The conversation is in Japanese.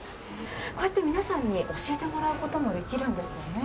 こうやって皆さんに教えてもらうこともできるんですよね？